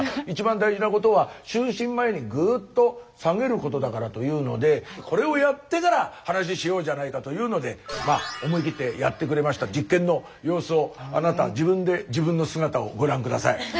いちばん大事なことは就寝前にグーッと下げることだからというのでこれをやってから話しようじゃないかというのでまあ思い切ってやってくれました実験の様子をあなた自分で自分の姿をご覧下さい。